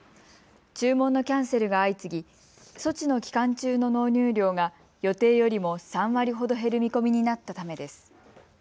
注文のキャンセルが相次ぎ、措置の期間中の納入量が予定よりも３割ほど減る見込みになったためです。